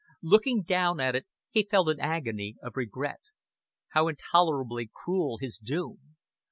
Looking down at it he felt an agony of regret. How intolerably cruel his doom.